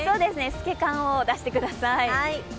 透け感を出してください。